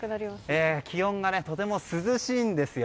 気温がとても涼しいんですよ。